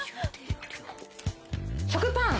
食パン。